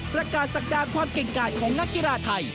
ประกาศศักดาความเก่งกาดของนักกีฬาไทย